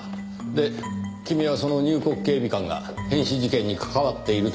で君はその入国警備官が変死事件に関わっているとでも？